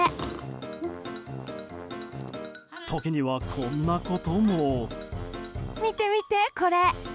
時にはこんなことも。